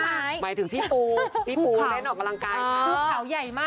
หมายถึงพี่ปูเป็นออกกำลังกายค่ะ